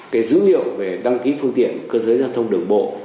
cái dữ liệu về đăng ký phương tiện cơ giới giao thông đường bộ